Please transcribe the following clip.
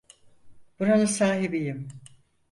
Buranın sahibiyim.